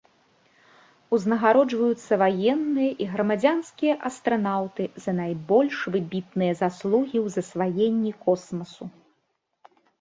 Узнагароджваюцца ваенныя і грамадзянскія астранаўты за найбольш выбітныя заслугі ў засваенні космасу.